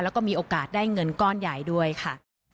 แล้วก็มีโอกาสได้เงินก้อนใหญ่ด้วยค่ะ